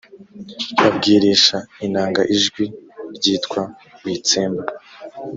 babwirisha inanga ijwi ryitwa witsemba